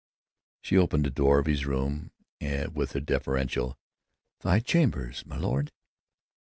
She opened the door of his room with a deferential, "Thy chamber, milord!...